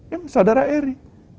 yang saudara eri